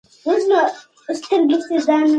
هغه خپلې خبرې په روښانه ډول وکړې.